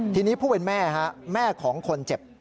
ทีนี้ผู้เป็นแม่แม่ของคนเจ็บ